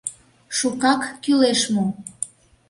— Шукак кӱлеш мо?